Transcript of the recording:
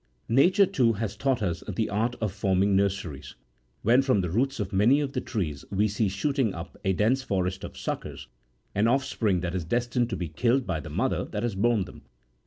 Mature, too,36 has taught us the art of forming nurseries ; when from the roots of many of the trees we see shooting up a dense forest of suckers, an offspring that is destined to be killed by the mother that has borne them.